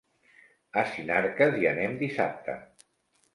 A Sinarques hi anem dissabte.